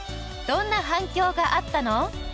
どんな反響があったの？